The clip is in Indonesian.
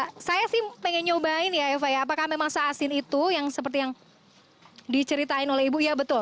ya saya sih pengen nyobain ya eva ya apakah memang se asin itu yang seperti yang diceritain oleh ibu ya betul